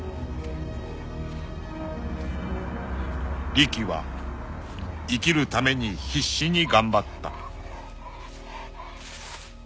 ［リキは生きるために必死に頑張った］